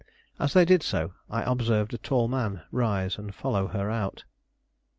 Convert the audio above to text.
As they did so, I observed a tall man rise and follow her out.